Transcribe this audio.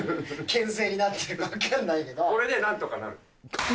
けん制になっているか分かんないこれでなんとかなる。